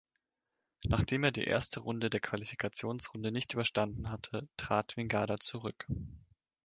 Nachdem er die erste Runde der Qualifikationsrunde nicht überstanden hatte, trat Vingada zurück.